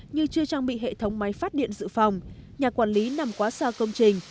như chưa trang bị hệ thống máy phát điện dự phòng nhà quản lý nằm quá xa công trình